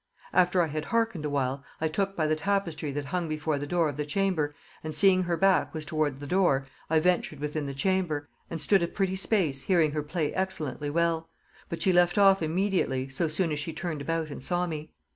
After I had harkened awhile, I took by the tapestry that hung before the door of the chamber, and seeing her back was toward the door, I ventured within the chamber, and stood a pretty space hearing her play excellently well; but she left off immediately, so soon as she turned about and saw me.